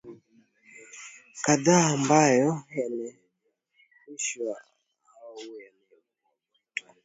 o kadhaa ambayo yamewashawishi au yamewavuta